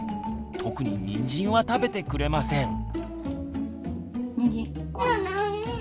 特ににんじんは食べてくれません。